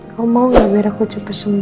kau mau gak biar aku coba sembuh